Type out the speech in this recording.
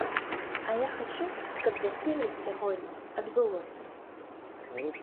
А я хачу, каб вяселле сягоння адбылося.